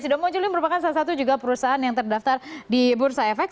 sido muncul ini merupakan salah satu juga perusahaan yang terdaftar di bursa efek